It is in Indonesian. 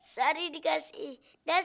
sari dikasih dasi sama dasi